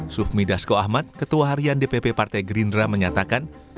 sufmi dasko ahmad ketua harian dpp partai gerindra menyatakan